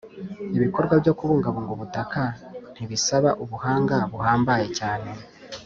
ibikorwa byo kubungabunga ubutaka ntibisaba ubuhanga buhambaye cyane